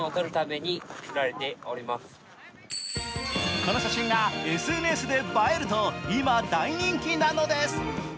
この写真がＳＮＳで映えると今、大人気なのです。